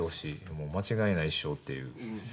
もう間違いないっしょっていう。